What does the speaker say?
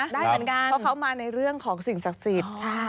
ได้เหมือนกันเพราะเขามาในเรื่องของสิ่งศักดิ์สิทธิ์